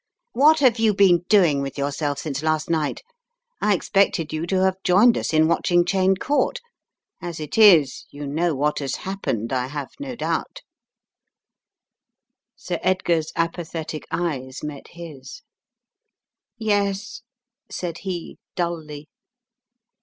"What have you been doing with yourself since last night? I expected you to have joined us in watching Cheyne Court. As it is, you know what has happened, I have no doubt/' Sir Edgar's apathetic eyes met his. "Yes," said he, dully.